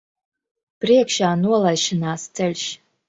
Priekšā nolaišanās ceļš.